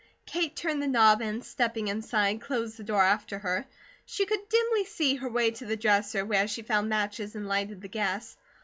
Kate turned the knob, and stepping inside, closed the door after her. She could dimly see her way to the dresser, where she found matches and lighted the gas.